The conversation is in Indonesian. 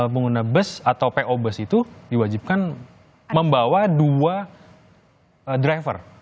pengguna bus atau po bus itu diwajibkan membawa dua driver